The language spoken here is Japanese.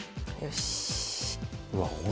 よし！